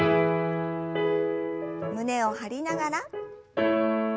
胸を張りながら。